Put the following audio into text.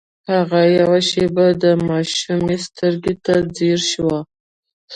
هغه يوه شېبه د ماشومې سترګو ته ځير شو.